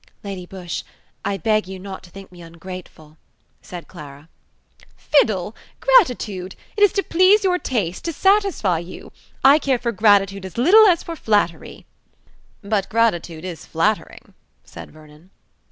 "Lady Busshe, I beg you not to think me ungrateful," said Clara. "Fiddle! gratitude! it is to please your taste, to satisfy you. I care for gratitude as little as for flattery." "But gratitude is flattering," said Vernon.